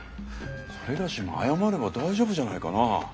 それがしも謝れば大丈夫じゃないかなあ。